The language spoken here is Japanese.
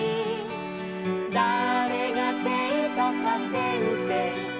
「だれがせいとかせんせいか」